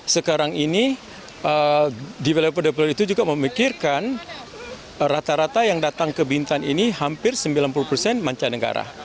sekarang ini developer developer itu juga memikirkan rata rata yang datang ke bintan ini hampir sembilan puluh persen mancanegara